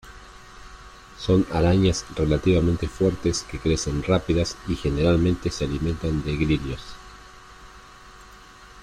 Son arañas relativamente fuertes que crecen rápidas y generalmente se alimentan de grillos.